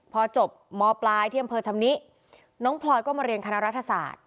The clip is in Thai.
พอจบมปลายที่อำเภอชำนิน้องพลอยก็มาเรียนคณะรัฐศาสตร์